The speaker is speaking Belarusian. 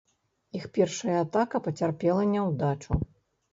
Іх першая атака пацярпела няўдачу.